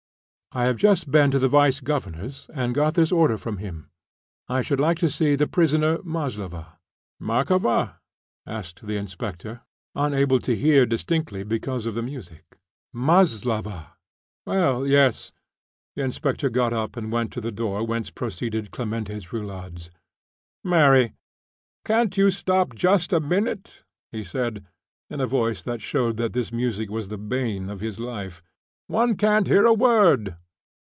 "I have just been to the vice governor's, and got this order from him. I should like to see the prisoner Maslova." "Markova?" asked the inspector, unable to bear distinctly because of the music. "Maslova!" "Well, yes." The inspector got up and went to the door whence proceeded Clementi's roulades. "Mary, can't you stop just a minute?" he said, in a voice that showed that this music was the bane of his life. "One can't hear a word."